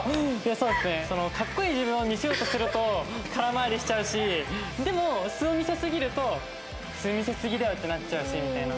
そうですね格好いい自分を見せようとすると空回りしちゃうしでも素を見せすぎると素見せすぎだよってなっちゃうしみたいな。